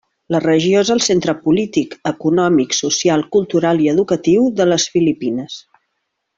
La regió és el centre polític, econòmic, social, cultural i educatiu de les Filipines.